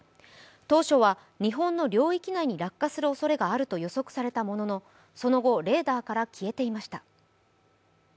当初は日本の領域内に落下するおそれがあると予測されたもののその後、レーダーから消えていました。